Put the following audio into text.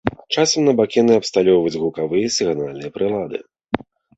Часам на бакены абсталёўваюць гукавыя сігнальныя прылады.